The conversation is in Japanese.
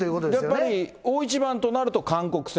やっぱり大一番となると、韓国戦。